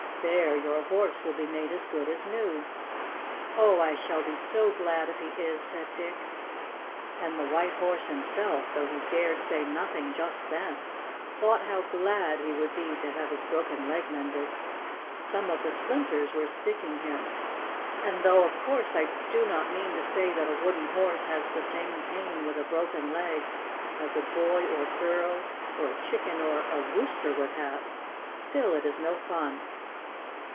There your Horse will be made as good as new." "Oh, I shall be so glad if he is," said Dick. And the White Horse himself, though he dared say nothing just then, thought how glad he would be to have his broken leg mended. Some of the splinters were sticking him, and though of course I do not mean to say that a wooden horse has the same pain with a broken leg as a boy or girl or a chicken or a rooster would have, still it is no fun.